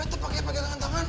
eh tuh pake pake tangan tangan